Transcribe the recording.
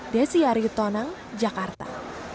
desi aryut tonang jakarta